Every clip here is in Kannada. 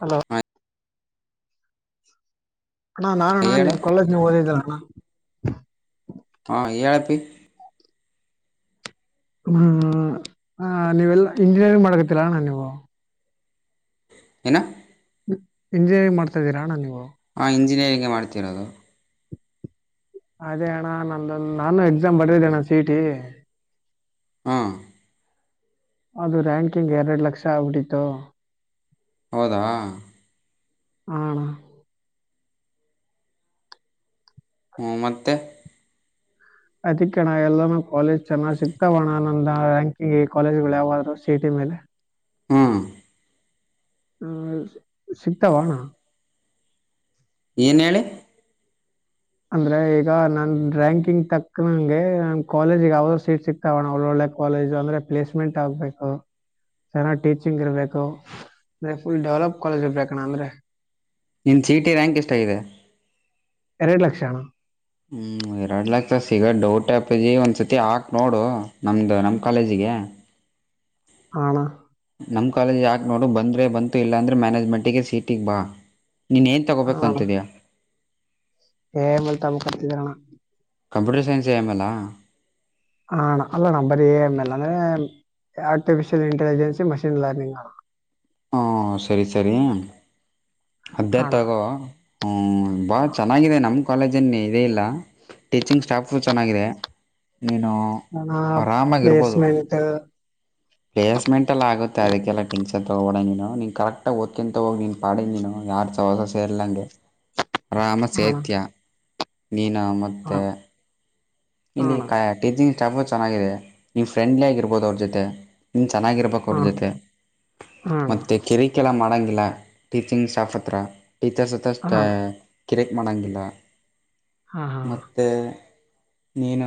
ಹಲೋ ಹಾಂ ಅಣ ನಾನಣ್ಣ ಹೇಳು ನಿಮ್ ಕಾಲೇಜ್ನಾಗ್ ಓದಿದ್ನಲ್ಲ ಅಣ್ಣ. ಹಾ ಹೇಳಪ್ಪಿ. ಹ್ಮ್ ನೀವೆಲ್ಲ ಅ ಇಂಜಿನಿಯರಿಂಗ್ ಮಾಡಕತ್ತಿಲ್ಲ ಅಣ್ಣಾ ನೀವು? ಏನ್? ಇಂಜಿನಿಯರಿಂಗ್ ಮಾಡ್ತಾ ಇದ್ದೀರಾ ಅಣ್ಣಾ ನೀವು? ಹಾ ಇಂಜಿನಿಯರಿಂಗ್ ಮಾಡ್ತಿರೋದು. ಅದೇ ಅಣ್ಣ ನಂದು ನಾನು ಎಕ್ಸಾಮ್ ಬರದಿದ್ದೆ ಅಣ್ಣ ಸಿಇಟಿ ಹಾಂ ಅದು ರ್ಯಾಂಕಿಂಗ್ ಎರಡ ಲಕ್ಷ ಆಗ್ಬಿಡಿತ್ತು. ಹೌದಾ ಹಾ ಅಣ್ಣಾ. ಹ್ಮ್ ಮತ್ತೆ? ಅದಕ್ಕಣ್ಣ ಎಲ್ಲಾನೂ ಕಾಲೇಜ್ ಚೆನ್ನಾಗ್ ಸಿಕ್ತಾವಣ್ಣ ನಂದ ರ್ಯಾಂಕಿಂಗ್ ಕಾಲೇಜ್ಗಳು ಯಾವ್ ಆದ್ರೂ ಸಿಇಟಿ ಮೇಲೆ? ಹಾಂ ಸಿಗ್ತಾವಾ ಅಣ್ಣಾ? ಏನ ಹೇಳಿ? ಅಂದ್ರೆ ಈಗ ನನ್ ರ್ಯಾಂಕಿಂಗ್ ತಕ್ಕನಂಗೆ ನಂಗ್ ಕಾಲೇಜಿಗ್ ಯಾವ್ದ ಸೀಟ್ ಸಿಕ್ತ ವಣ್ಣಾ ಒಳ್ಳೊಳ್ಳೆ ಕಾಲೇಜು ಅಂದ್ರೆ ಪ್ಲೇಸ್ಮೆಂಟ್ ಆಗ್ಬೇಕು ಚೆನ್ನಾಗ್ ಟೀಚಿಂಗ್ ಇರ್ಬೇಕು ಅಂದ ಫುಲ್ ಡೆವಲಪ್ ಕಾಲೇಜ್ ಇರ್ಬೇಕಣ್ಣ ಅಂದ್ರೆ ನಿನ್ನ ಸಿಇಟಿ ರ್ಯಾಂಕ್ ಎಷ್ಟಾಗಿದೆ? ಎರಡ ಲಕ್ಷ ಅಣ್ಣಾ. ಹ್ಮ್ ಎರಡ್ ಲಕ್ಷ ಸಿಗದ ಡೌಟ್ ಅಪ್ಪಜಿ ಒಂದ್ಸತಿ ಹಾಕ್ ನೋಡು ನಮ್ದು ನಮ್ ಕಾಲೇಜಿಗೆ ಹಾಣ್ಣಾ. ನಮ್ಮ ಕಾಲೇಜ್ ಯಾಕೆ ನೋಡು ಬಂದ್ರೆ ಬಂತು ಇಲ್ಲಾಂದ್ರೆ ಮ್ಯಾನೇಜ್ಮೆಂಟಿಗೆ ಸೀಟಿಗ ಬಾ ನೀನ ಏನ್ ತಗೋಬೇಕಂತಿದಿಯಾ? ಹೇ [unintelligible] ಕರೆದಿದ್ದಾರ ಅಣ್ಣಾ. ಕಂಪ್ಯೂಟರ್ ಸೈನ್ಸ್ ಎಮ್ಮಲ್ ಹಣ ಅಲ್ಲಣ್ಣ್ ಬರಿ ಮೇಲ್ಲ ಅಂದ್ರೆ ಆರ್ಟಿಫಿಷಿಯಲ್ ಇಂಟೆಲಿಜೆನ್ಸ್ ಮಷೀನ್ ಲರ್ನಿಂಗ್ ಹಾ ಸರಿ ಸರಿ ಅದೇ ಹಾ ತಗೋ ಹ ಬಾಳ ಚೆನ್ನಾಗಿದೆ ನಮ್ ಕಾಲೇಜಲ್ಲಿ ಇದೇ ಇಲ್ಲ ಟೀಚಿಂಗ್ ಸ್ಟಾಫು ಚೆನ್ನಾಗಿದೆ ನೀನು ಹ ಪ್ಲೇಸ್ಮೆಂಟ್ ಪ್ಲೇಸ್ಮೆಂಟ್ ಎಲ್ಲ ಆಗುತ್ತೆ ಅದಕ್ಕೆಲ್ಲ ಟಿನ್ಸನ್ ತಗೋಬೇಡ ನೀನು ಕರೆಕ್ಟಾಗಿ ಓದ್ಕಂತಗೋಗಿ ನೀನ್ ಪಾಡಿಗ್ ನೀನು ಯಾರು [unintelligible] ಸಹಸ ಸೇರ್ಲಂಗೆ ಅರಾಮ ಅಣ್ಣ ಸೇತ್ಯ ನೀನ ಮತ್ತು ಅಣ್ಣ ಮತ್ತೆ ಇಲ್ಲಿ ಅಣ್ಣ ಕ ಟೀಚಿಂಗ್ ಸ್ಟಾಫು ಚೆನ್ನಾಗಿದೆ ನೀವು ಫ್ರೆಂಡ್ಲಿ ಆಗಿರ್ಬಹದು ಅವ್ರ ಜೊತೆ ನಿನ್ ಚೆನ್ನಾಗಿರ್ಬೆಕ್ ಹಾ [unintelligible] ಜೊತೆ ಅಣ್ಣ ಮತ್ತೆ ಕೆರಿ ಕ [unintelligible] ಮಾಡೋಂಗಿಲ್ಲ ಟೀಚಿಂಗ್ ಸ್ಟಾಫ್ ಹತ್ರ ಟೀಚರ್ಸ್ ಹತ್ರ ಸ್ಟ ಹಾ ಅಣ್ಣ ಹಾ ಅಣ್ಣ ಕಿರೆಕ್ ಮಾಡಂಗಿಲ್ಲ ಹಾ ಹಾ ಹಾ ಮತ್ತೆ ನೀನು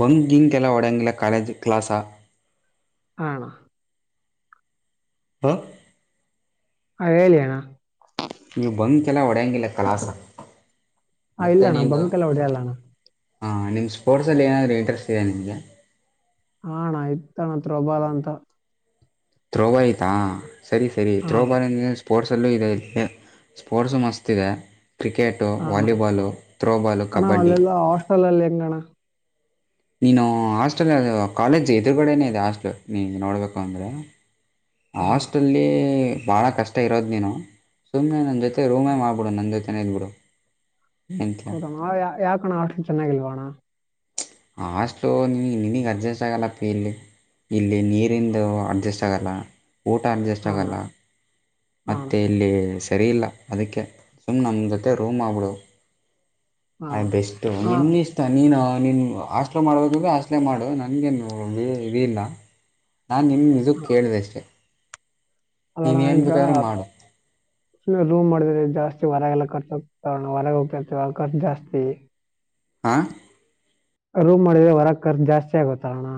ಬಂಕಿಂಗೆಲ್ಲ ಓಡಂಗಿಲ್ಲ ಕಾಲೇಜ್ ಕ್ಲಾಸ ಹಾ ಹಾ ಹಾ ಹೇಳಿ ಅಣ ನೀವು ಬಂಕೆಲ್ಲ ಹೊಡೆಯಂಗಿಲ್ಲ ಕಲಾಸ್ ಹಾ ಇಲ್ಲ ಮತ್ತೆ ಅಣ್ಣ ನಿಂದು ಬಂಕ್ ಎಲ್ಲ ಹೊಡೆಯಲ್ಲ ಅಣ್ಣ ಹಾ ನಿಮ್ ಸ್ಪೋರ್ಟ್ಸಲ್ಲಿ ಏನಾದರು ಇಂಟ್ರೆಸ್ಟ್ ಇದೆ ನಿಮಗೆ ಹಾ ಅಣ ಇತ್ತಣ ಥ್ರೋಬಾಲ್ ಅಂತ ಥ್ರೋಬಾಲ್ ಇತ್ತ ಸರಿ ಸರಿ ಹಾ ಅಣ್ಣ ಥ್ರೋಬಾಲ್ [unintelligible] ಸ್ಪೋರ್ಟ್ಸಲ್ಲೂ ಇದೆ ಇ ಸ್ಪೋರ್ಟ್ಸ್ ಮಸ್ತ್ ಇದೆ ಕ್ರಿಕೆಟ್ ಫಟೋ ಹಾ ಅಣ್ಣ ವಾಲಿಬಾಲು ಥ್ರೋಬಾಲು ಕಬಡ್ಡಿ ಹಲ್ಲಲ್ಯಂಗಣ ನೀನು ಹಾಸ್ಟೆಲ್ ಅ ಕಾಲೇಜ್ ಎದುರುಗಡನೇ ಇದೆ ಹಾಸ್ಟೆಲ್ ನೀ ನೋಡ್ಬೇಕು ಅಂದ್ರೆ ಹಾ ಅಣ್ಣ ಹಾಸ್ಟಲ್ಲಿ ಬಹಳ ಕಷ್ ಷ್ಟ ಇರೋದ್ ನಿನು ಸುಮ್ನೆ ನನ್ ಜೊತೆ ಹಾ, ರೂಮೇ ಮಾಡ್ಬಿಡು ನನ್ನ ಜೊತೆನೆ ಇದ್ಬಿಡು ಎಂತ ಹೌದಣ ಯಾ ಯಾಕಣ್ಣ ಹಾಷ್ಟ್ಲು ಚೆನ್ನಾಗಿಲ್ವ ಅಣ ಆ ಹಾಸ್ಟ್ಲ್ ನಿನ್ ನಿನ್ಗೆ ಅಜ್ಜೇಸ್ಟ್ ಆಗಲ್ಲ ಪಿ ಇಲ್ಲಿ ಇಲ್ಲಿ ನೀರಿಂದು ಅಡ್ಜಸ್ಟ್ ಆಗಲ್ಲ ಊಟ ಅನ್ಜಸ್ಟ್ ಹಾ ಅಣ್ಣ ಆಗಲ್ಲ ಹಾ ಮತ್ತೆ ಇಲ್ಲಿ ಸರಿಯಿಲ್ಲ ಅದಕ್ಕೆ ಸುಮ್ಮ್ ನಮ್ಮ ಜೊತೆ ರೂಮ್ ಮಾಡ್ಬುಡು ಹಾ ಆಯ್ ಇಷ್ಟು ಹಾ ನಿನ್ ಇಷ್ ನೀನು ನೀನು ಹಾಷ್ಟ್ಲು ಮಾಡ್ಬೇಕು ಅಂದ್ರೆ ಹಸ್ಟ್ಲೆ ಮಾಡು ನನ್ಗೇನು ಇದ ಇಲ್ಲ ನಾನ್ ನಿಮ್ ಇದುಕ್ ಹೇಳ್ದೆ ಅಷ್ಟೇ ಅಲ್ಲಣ ನೀನು ಏನು ಈಗ ಬೇಕಾದರೂ ಮಾಡು ರೂಮ್ ಮಾಡಿದ್ರೆ ಜಾಸ್ತಿ ಹೊರಗೆಲ್ಲ [unintelligible] ಹ್ತೋಣ [unintelligible] ಹೊರಗೆ ಹೋಗ್ಾರ್ತವೆ ಆಖರ್ಚು ಜಾಸ್ತಿ ಹಾ ರೂಮ್ ಮಾಡಿದ್ರೆ ಹೊರಗ್ ಖರ್ಚು ಜಾಸ್ತಿ ಆಗತ್ ಅಲ್ಲಣ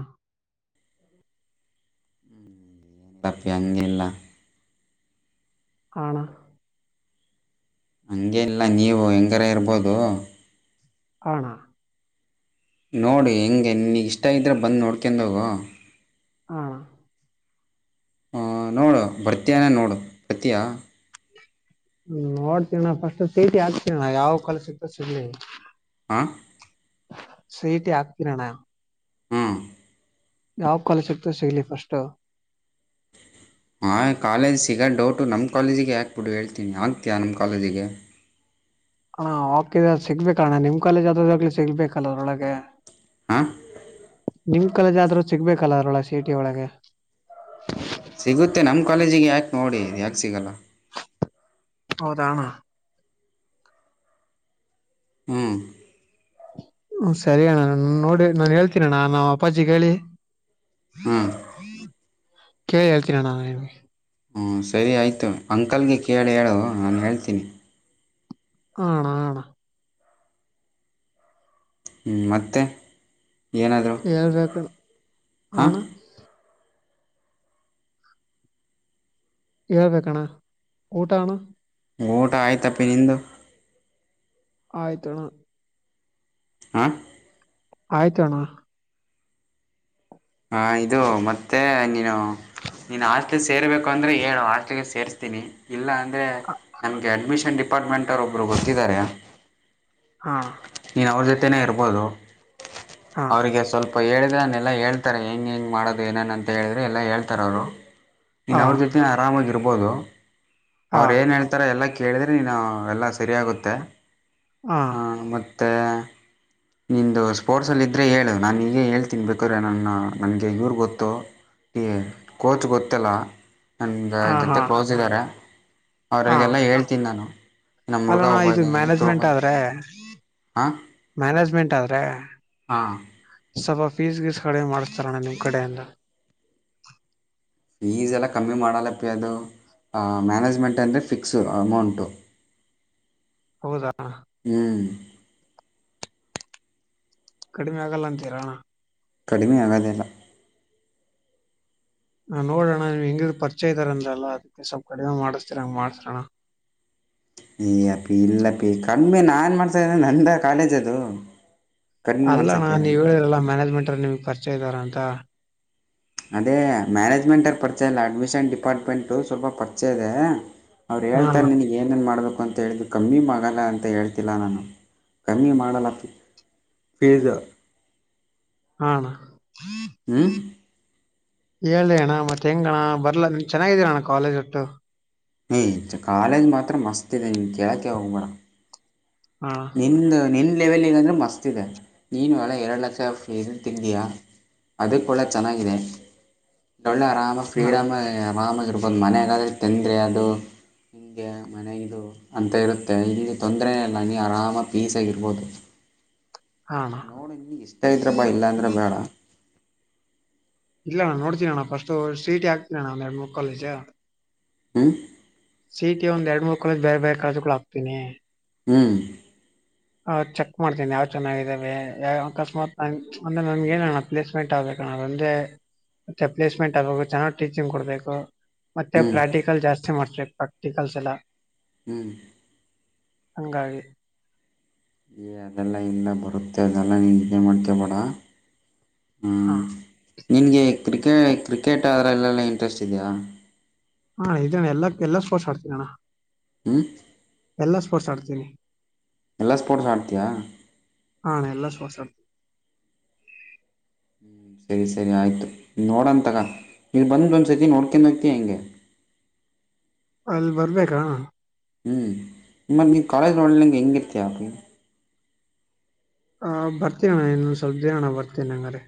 [unintelligible] ತಾಪೆಯಾಂ ಎೆಲ್ಲ ಹ ಅಣ ಹಂಗೇನ್ ಇಲ್ಲ ನೀವು ಹೆಂಗಾರ ಇರ್ಬೋದು ಹಾ ಅಣ ನೋಡಿ ಹೆಂಗೆ ನಿನಿಗ್ ಇಷ್ಟ ಇದ್ರೆ ಬಂದ್ ನೋಡ್ಕೊಂಡೋಗು ಹಾ ನೋಡು ಬರ್ತಿಯ ನೋಡು ಬತ್ತಿಯಾ ಹುಂ ನೋಡ್ತೀಅಣ್ಣಾ ಫಸ್ಟ್ ಸಿ ಇ ಟಿ ಹಾಕ್ತನಣ್ಣಾ ಯಾವ ಕಾಲೆಜ್ ಸಿಗ್ತ ಸಿಗ್ಲಿ ಹಾ ಸಿಇಟಿ ಹಾಕತ್ತಿನಿ ಅಣ್ಣಾ ಹ್ಞೂ ಯಾವ ಕಾಲೇಜ್ ಸಿಗ್ತ ಸಿಗ್ಲಿ ಫಸ್ಟು ಹಾಂ ಕಾಲೇಜ ಸಿಗೊದ ಡೌಟು ನಮ್ಮ ಕಾಲೇಜಿಗೆ ಹಾಕ್ಬಿಡು ಹೇಳ್ತೀನಿ ಹಾಕತಿಯ ನಮ್ಮ ಕಾಲೇಜಿಗೆ. ಹಾ ಹಾಕಿದ ಸಿಗ್ ಬೇಕಲ್ಲಾ ನಿಮ್ ಕಾಲೇಜ್ ಆದಾಗಲಿ ಸಿಗ್ ಬೇಕಿಲ್ಲ ಅದ್ರೊಳಗೆ ಹಾ ನಿಮ್ ಕಾಲೇಜ್ ಆದ್ರೂ ಸಿಗ್ಬೇಕಲ್ಲ ಅದ್ರೊಳಗೆ ಸಿಇಟಿ ಒಳಗೆ ಸಿಗುತ್ತೆ ನಮ್ ಕಾಲೇಜಿಗೆ ಹಾಕಿ ನೋಡಿ ಯಾಕೆ ಸಿಗಲ್ಲಾ ಹೌದಾ ಹುಂ ಹುಂ ಸರಿ ಅಣ್ಣಾ ನೋಡಿ ನಾನು ಹೇಳ್ತೀನ ಅಣ್ಣಾ ನಮ್ಮ ಅಪ್ಪಾಜಿಗೆ ಹೇಳಿ ಹುಂ ಹುಂ ಕೇಳಿ ಹೇಳ್ತೀನಿ ಅಣ್ಣಾನಿಗೆ ಹುಂ ಸರಿ ಆಯಿತು ಅಂಕಲ್ ಗೆ ಕೇಳಿ ಹೇಳು ನಾನು ಹೇಳ್ತೀನಿ. ಹ ಅಣ್ಣ ಆಣಾ ಹು ಮತ್ತೆ ಏನಾದರೂ ಹೇಳಬೇಕ್ರಿ ಹಾ ಹಾಂ ಅಣ್ಣಾ ಹೇಳ್ಬೇಕಣ್ಣಾ ಊಟಾ ಅಣ್ಣಾ ಊಟಾ ಆಯ್ತಪ್ಪಿ ನಿಂದು ಆಯ್ತಣ್ಣ ಹಾ ಆಯ್ತ ಅಣ್ಣಾ ಹಾ ಇದು ಮತ್ತೆ ನೀನು ನೀನ್ ಹಾಸ್ಟೆಲ್ ಗೆ ಸೇರ್ಬೇಕು ಅಂದ್ರೆ ಹೇಳು ಹಾಸ್ಟೆಲ್ ಗೆ ಸೇರಸ್ತಿನಿ ಇಲ್ಲಾ ಅಂದ್ರೆ ಅಂದರೆ ನಮಗೆ ಅಡ್ಮಿಷನ್ ಡಿಪಾರ್ಟ್ಮೆಂಟರೊಬ್ಬರು ಗೊತ್ತಿದ್ದಾರೆ. ಹಾ ನೀನು ಅವ್ರ ಜೊತೆೇ ಇರಬಹುದು ಹಾ ಅವರಿಗೆ ಸ್ವಲ್ಪ ಹೇಳಿದೆನ್ನೆಲ್ಲಾ ಹೇಳ್ ಹೆಂಗ ಹೆಂಗ್ ಮಾಡೋದು ಏನನ್ ಅಂತ ಹೇಳಿದ್ರೆ ಎಲ್ಲ ಹೇಳ್ತಾರೆ ಅವ್ರು ನೀನ್ ಹಾ ಅವ್ರ ಜೊತೆ ನಿ ಆರಾಮಾಗಿ ಇರಬಹುದು ಹಾ ಹಾ ಅವ್ರು ಏನು ಹೇಳ್ತಾರೆ ಎಲ್ಲ ಕೇಳಿದರೆೆ ನೀನು ಎಲ್ಲಾ ಸರಿಯಾಗುತ್ತೆ ಮತ್ತು ಮತ್ತೆ ನಿದು ಸ್ಪೋರ್ಟ್ಸಲ್ಲಿದ್ದರೆ ಹೇಳು ನಾನು ಹೀಗ ಹೇಳ್ತೀನಿ ಬೇಕರೆ ನನ್ನ ನನಗೆ ಇವ್ರ ಗೊತ್ತು ಈ ಕೋಚ್ ಗೊತ್ತಲ್ಲಾ ನನ್ನ ಹಾ ಜೋತೆ ಹಾ ಕ್ಲೋಸ್ ಇದ್ದಾರೆ. ಹಾ ಅವರಿಗೆಲ್ಲ ಹೇಳ್ತೀನಿ ನಾನು ನಮ್ಮ ಹುಡುಗ ಅಲ್ಲಣಾ ಒಬ್ಬ ಇದು ಇದ್ದಾನೆ ಹೇಳಿ ಮ್ಯಾನೇಜ್ಮೆಂಟ್ ತೊಗೊಬಂದು ಆದ್ರೆ ಮ್ಯಾನೇಜ್ಮೆಂಟ್ ಆದರೆ ಹಾ ಸ್ವಲ್ಪ ಫೀಸ್ ಗೀಸ್ ಕಡಿಮೆ ಮಾಡಿಸ್ತಾರಣ ನಿಮ್ಮ ಕಡೆಯಿಂದ ಫೀಸ್ ಎಲ್ಲಾ ಕಮ್ಮಿ ಮಾಡಲ್ಲಪ್ಪಿ ಅದು ಮ್ಯಾನೇಜ್ಮೆಂಟ್ ಅಂದರೆ ಫಿಕ್ಸು ಅಮೌಂಟು. ಹೌದಾ ಹುಂ ಕಡಿಮೆಯಾಗಲ್ಲಾ ಅಂತೀರಾ. ಕಡಿಮೆ ಆಗೋದಿಲ್ಲಾ ಹಾ ನೋಡ ಅಣ್ಣಾ ನೀ ಹೆಂಗಿದ್ ಪರಿಚಯ ಇದ್ದಾರೆ ಅದ್ರಲ್ಲಾ ಅದಕ್ಕೆ ಸ್ವಲ್ಪ ಕಡಿಮೆ ಮಾಡಸ್ತಿರಾ ಹಂಗ ಮಾಡಸ್ರೋಣ ಯ್ ಅಪ್ಪಿ ಇಲ್ಲಪ್ಪೀ ಕಡಿಮೆ ನಾನೇ ಏನು ಮಾಡ್ಸೋದು ನಂದಾ ಕಾಲೇಜ್ ಅದು ಕಡಿಮೆ ಅಲ್ಲಣ್ಣಾ ಮಾಡ್ಸೋಕ್ಕೆ ನೀವ ಹೇಳಿರಲ್ಲ ಮ್ಯಾನೇಜ್ಮೆಂಟ್ ನಿಮ್ಗೆ ಪರ್ಚೆ ಇದಾರ ಅಂತ. ಅದೇ ಮ್ಯಾನೇಜ್ಮೆಂಟರ್ ಪರಿಚಯ ಇಲ್ಲಾ ಅಡ್ಮಿಷನ್ ಡಿಪಾರ್ಟ್ಮೆಂಟ್ ಸ್ವಲ್ಪ ಪರಿಚಯ ಇದೆ. ಅವರ ಹಾ ಹೇಳ್ತಾರ ಅಣ್ಣ ನಿನಿಗ. ಏನೇನು ಮಾಡಬೇಕು ಅಂತ ಹೇಳಿದು ಕಮ್ಮಿ ಮಾಡಲ್ಲಾ ಅಂತ ಹೇಳ್ತಿಲ್ಲಾ ನಾನು ಕಮ್ಮಿ ಮಾಡಲ್ಲಾ. ಪಿಜ್. ಹಾ ಅಣ್ಣಾ. ಹು ಹೇಳಿ ಅಣ್ಣಾ ಮತ್ತೆ ಹೆಂಗ ಅಣ್ಣಾ ಬರ್ಲಾ ಚೆನ್ನಾಗಿದೆ ಅಣ್ಣಾ ಕಾಲೇಜ್ ಒಟ್ಟು. ಹೆ ಚ ಕಾಲೇಜ್ ಮಾತ್ರ ಮಸ್ತ ಇದೆ ನೀ ಕೇಳಕ್ಕೆ ಹೋಗ್ ಬೇಡಾ. ಹಾ ನಿಂದು ನಿನ್ನ ಲೆವೆಲ್ಗ ಅಂದ್ರರೆ ಮಸ್ತ ಇದೆ ನೀನು ಅಲ್ಲ ಎರಡು ಲಕ್ಷ ಫೀಜ್ ತಿಂದೀಯಾ. ಅದಕ ಒಳ್ಳೆ ಚೆನ್ನಾಗಿದೆ ಡೊಳ್ಳೆ ಆರಾಮ ಹಾ ಫ್ರೀಡಮ ಆರಾಮಾಗಿರ್ಬದು. ಒಂದು ಮನೆಗಾದ್ರೆ ತಂದ್ರೆ ಅದು. ಹಿಂಗೆ ಮನೆ ಇದು ಅಂತ ಇರುತ್ತೆ ಇಲ್ಲಿ ತೊಂದರೆ ಏನ್ ಇಲ್ಲಾ ನೀ ಆರಾಮಾಗಿ ಪೀಸಿಯಾಗಿರರ್ಬೋದು. ಹಾ ಅಣ್ಣ ನೋಡಿ ನೀನಗ ಇಷ್ಟಾ ಇದ್ರ ಬಾ ಇಲ್ಲಾಂದ್ರ ಬೇಡಾ. ಇಲ್ಲಾ ಅಣ್ಣಾ ನೋಡ್ತೀನಿ ಅಣ್ಣಾ ಫಸ್ಟು ಸಿ ಇ ಟಿ ಹಾಕ್ತೀನಣ್ಣಾ ಒಂದ್ ಎರಡು ಮೂರು ಕಾಲೇಜ. ಹು ಸಿ ಇ ಟಿ ಒಂದು ಎರಡು ಮೂರು ಕಾಲೆಜ್ ಬೇರೆ ಬೇರೆ ಕಾಲೇಜಗುಳ ಹಾಕ್ತೇನಿ. ಹು ಹ ಚೆಕ್ ಮಾಡ್ತೀನಿ ಯಾವ್ ಚೆನ್ನಾಗಿದಾವೆ ಯಾವ ಅಕಸ್ಮಾತ್ ನ ಅಂದ್ರ ನಂಗ ಏನ್ ಅಣ್ಣಾ. ಪ್ಲೇಸ್ಮೆಂಟ್ ಆಗ್ಬೇಕ ಅಣ್ಣಾ ಅದೊಂದೇ ಮತ್ತೆ ಪ್ಲೇಸ್ಮೆಂಟ್ ಆಗ್ಬೇಕು ಚೆನ್ನಾಗ್ ಟೀಚಿಂಗ್ ಕೊಡ್ಬೇಕು. ಮತ್ತೆ ಹ್ಞೂ ಪ್ರಾಕ್ಟಿಕಲ್ ಜಾಸ್ತಿ ಮಾಡ್ತಬೇಕ ಪ್ರಾಕ್ಟಿಕಲ್ಸ್ ಎಲ್ಲಾ. ಹು ಹಂಗಾಗಿ. ಎ ಅದೆಲ್ಲಾ ಇಲ್ಲ ಬರುತ್ತೆ ಅದೆಲ್ಲಾ ನೀ ಇದು ಮಾಡ್ಕೊಬೇಡಾ. ಹಾ ನಿನಗೆ ಕ್ರಿಕೆ ಕ್ರಿಕೆಟ್ ಅದರಲ್ಲೆಲ್ಲಾ ಇಂಟ್ರೆಸ್ಟ್ ಇದೆಯಾ. ಹಾ ಇದೇಣ್ಣಾ ಎಲ್ಲಾ ಎಲ್ಲಾ ಸ್ಪೋರ್ಟ್ಸ್ ಆಡ್ತೀನಿ ಅಣ್ಣಾ ಹ್ಞೂ ಎಲ್ಲಾ ಸ್ಪೋರ್ಟ್ಸ್ ಆಡ್ತೀನಿ. ಎಲ್ಲಾ ಸ್ಪೋರ್ಟ್ಸ್ ಆಡ್ತೀಯಾ. ಹಾ ಅಣ್ಣಾ ಎಲ್ಲಾ ಸ್ಪೋರ್ಟ್ಸ್ ಆಡ್ ಸರಿ ಸರಿ ಆಯ್ತು ನೋಡನತೊಗ ಇಲ್ಲಿ ಬಂದ ಒಂದ್ಸರ್ತಿ ನೋಡ್ಕೊಂಡು ಹೋಕ್ಕಿಯ ಹೆಂಗೆ. ಅಲ್ಲಿ ಬರ್ಬೇಕಾ ಅಣ್ಣಾ. ಹು ಮತ್ತ ನೀ ಕಾಲೇಜ್ ರೋಡ್ಲಿರಲಂಗೆ ಹೆಂಗಿರ್ತಿಯಾ. ಹ ಬರ್ತಿ ಅಣ್ಣಾ ಇನ್ನೊಂದ ಸ್ವಲ್ಪ ದಿನ ಅಣ್ಣಾ ಬರ್ತೀನಿ ಹಂಗಾರೆ.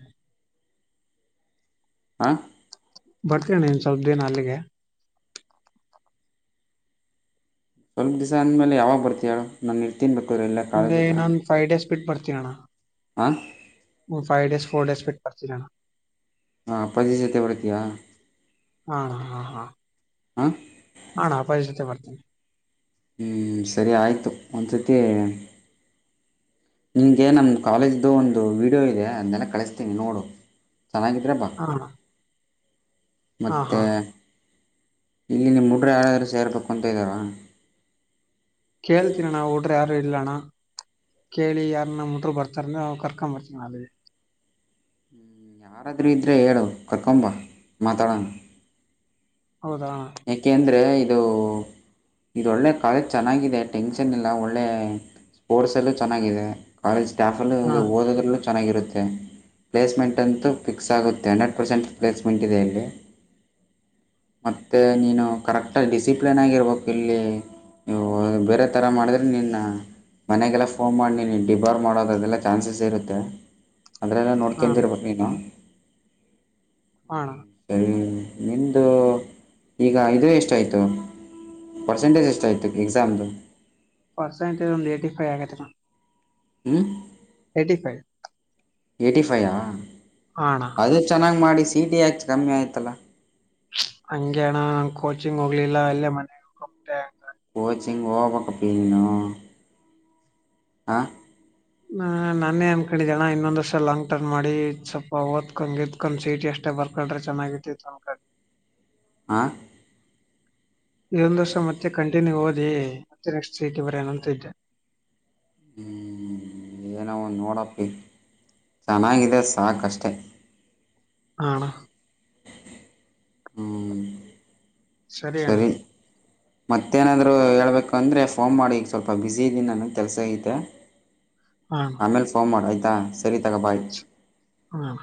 ಆ ಬರ್ತಿನ್ ಅಣ್ಣಾ ಇನ್ ಸ್ವಲ್ಪ ದೇನ ಅಲ್ಲಿಗೆ. ಸ್ವಲ್ಪ ದಿವಸ ಅಂದ ಮೇಲೆ ಯಾವಾಗ ಬರ್ತಿಯಾ ಹೇಳು. ನಾನ ಇರ್ತಿನ್ ಬೆಕಾರ್ ಇಲ್ಲೆ. ಮುಂದೆ ನಾನ್ ಫೈವ್ ಡೇಸ್ ಬಿಟ್ಟು ಬರ್ತೀನ್ ಅಣ್ಣಾ. ಹಾ ಹಾಂ ಹು ಫೈವ ಡೇ ಫೋ ಡೇಸ್ ಬಿಟ್ಟ ಬರ್ತೇನಿ ಅಣ್ಣಾ. ಹಾ ಅಪ್ಪಾಜಿ ಜೊತೆ ಬರ್ತೀಯಾ. ಹಾ ಅಣ್ಣಾ ಹಾ ಹಾ ಹಾಂ ಹಾ ಅಣ್ಣಾ ಅಪ್ಪಾಜಿ ಜೊತೆ ಬರ್ತೀನಿ. ಹು ಸರಿ ಆಯ್ತು ಒಂದುಸತಿ. ನಿಂಗೆ ನಮ್ಮ ಕಾಲೇಜ್ದು ಒಂದು ವೀಡಿಯೋ ಇದೆ ಅದ್ನೇಲ್ಲಾ ಕಳಿಸ್ತೀನಿ ನೋಡು ಚೆನ್ನಾಗಿದ್ರೆ ಬಾ. ಹಾ ಅಣ್ಣಾ ಮತ್ತೆ ಇಲ್ಲಿ ನಿಮ್ ಹುಡುಗ್ರ್ ಯಾರಾದ್ರೂ ಸೇರ್ಬೇಕು ಅಂತ ಇದಾರ ಕೇಳ್ತೀನಿ ಅಣ ಉಡ್ರ್ ಯಾರು ಇಲ್ಲಣ್ಣ ಕೇಳಿ ಯಾರನ್ನ [unintelligible] ಮುಟ್್ರರು ಬರ್ತಾರ ಅವ್ ಕರ್ಕೊಂಡ್ ಬರ್ತೀವಿ ನ ಅಲ್ಲಿಗೆ ಯಾರಾದ್ರು ಇದ್ರೆ ಹೇಳು ಕರ್ಕೊಂಬ್ ಬಾ ಮಾತಾಡೋಣ ಹೌದಾ ಏಕೆ ಅಂದ್ರ ಇದು ಇದು ಒಳ್ಳೆ ಕಾಲೇಜ್ ಚೆನ್ನಾಗಿದೆ ಟೆನ್ಷನ್ ಇಲ್ಲ ಒಳ್ಳೆ ಸ್ಪೋರ್ಟ್ಸ್ ಅಲ್ಲೂ ಚೆನ್ನಾಗಿದೆ ಕಾಲೇಜ್ ಹಾ ಸ್ಟಾಫಲ್ಲಿ ಓದರು ಚೆನ್ನಾಗಿರುತ್ತೆ ಪ್ಲೇಸ್ಮೆಂಟ್ಂತೂ ಫಿಕ್ಸ್ ಆಗುತ್ತೆ ಹಂಡ್ರೆಡ್ ಪರ್ಸೆಂಟ್ ಪ್ಲೇಸ್ಮೆಂಟ್ ಇದೆ ಇಲ್ಲಿ ಮತ್ತೆ ನೀನು ಕರೆಕ್ಟಾಗಿ ಡಿಸಿಪ್ಲನ್ ಆಾಗಿರ್ಬೇಕು ಇಲ್ಲಿ ನೀವು ಬೇರೆ ಥರ ಮಾಡಿದ್ರೆ ನೀನ್ನ ಮನೆಗೆಲ್ಲ ಫೋನ್ ಮಾಡಿ ನೀವು ಡಿಬಾರ್ ಮಾಡೋದುದೆಲ್ಲ ಚಾನ್ಸಸ್ ಇರುತ್ತೆ ಅದನ್ನಲ್ಲ ಹಾ ಅಣ್ಣ ನೋಡ್ಕಂತಿರ್ಬೋದು ನೀನು ಹ ಅಣ ಸರಿ ನಿಮ್ದು ಈಗ ಇದು ಎಷ್ಟ್ ಆಯ್ತು ಪರ್ಸೆಂಟೇಜ್ ಎಷ್ಟ ಆಯ್ತು ಎಕ್ಸಾಮ್ದು ಪರ್ಸೆಂಟೇಜ್ ಒಂದ್ ಏಟಿ ಫೈವ್ ಆಗೈೆದೆನೋ ಹ್ಮ ಏಯ್ಟಿ ಫೈವ್ ಎಯ್ಟಿ ಫೈಯಾ ಹ ಅಣ ಅದೇ ಚೆನ್ನಾಗಿ ಮಾಡಿ ಸೀಟಿ ಯಾಕ್ ಕಮ್ಮಿ ಆಯ್ತಲ್ಲಾ ಹಂಗೆ ಅಣ್ಣ ಕೋಚಿಂಗ್ ಹೋಗ್ಲಿಲ್ಲ ಇಲ್ಲೇ ಮನೆ ಕೊಚಿಂಗ್ ಹೋಗ್ಬೆಕ್ ಕಪ್ಪಿ ನೀನು ಹಾ ಹ ನಾನೇ ಅನ್ಕೊಂಡಿದ್ದ ಅಣ ಇನ್ನೊಂದ್ ವರ್ಷ ಲಾಂಗ್ ಟರ್ನ್ ಮಾಡಿ ಸ್ವಲ್ಪ ಓದ್ಕಂಗಿದ್ದ್ [unintelligible] ಸಟಿ ಅಷ್ಟ ಬರ್ಕಡ್ರೆ ಚೆನ್ನಾಗಿತಿಕ ಹಾ ಇನ್ನೊಂದ್ ವರ್ಷ ಮತ್ತೆ ಕಂಟಿನ್ಯೂ ಓದಿ ಮತ್ತೆ ನೆಕ್ಸ್ಟ್ ವೀಕ್ಗೆ ಬರೆಯೋಣ ಅನಂತ ಇದ್ದೆ ಏನೋ ನೋಡಪ್ಪ ಚೆನ್ನಾಗಿದೆ ಸಾಕಷ್ಟೆ ಹ ಅಣ ಹ್ಞೂ ಸರಿ ಮತ್ತೇನಾದರೂ ಹೇಳಬೇಕಂದ್ರೆ ಫೋನ್ ಮಾಡಿ ಈಗ ಸ್ವಲ್ಪ ಬ್ಯುಸಿ ಇದ್ದೀನಿ ನಾನು ಕೆಲ್ಸ ಐತೆ ಹಾ ಆಮೇಲ್ ಸೋಮಾರ ಆಯತಾ ಸರಿ ತಗ ಬಾ ಆಯ್ತ್ ಹ್ಮ